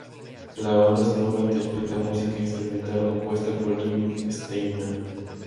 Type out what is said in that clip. La banda sonora interpreta música instrumental compuesta por Jim Steinman.